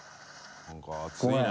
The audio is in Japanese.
何か熱いね。